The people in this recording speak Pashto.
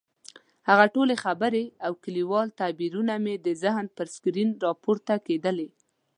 هغه ټولې خبرې او کلیوال تعبیرونه مې د ذهن پر سکرین راپورته کېدلې.